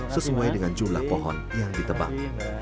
sesuai dengan jumlah pohon yang ditebang